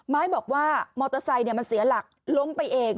ไม้บอกว่ามอเตอร์ไซค์มันเสียหลักล้มไปเอง